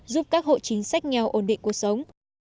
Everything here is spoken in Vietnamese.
giúp các hộ chính sách nghèo ổn định cuộc sống